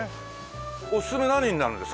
おすすめ何になるんですか？